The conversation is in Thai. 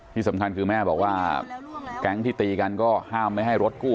ที่สำคัญคือแม่บอกว่าแก๊งที่ตีกันก็ห้ามไม่ให้รถกู้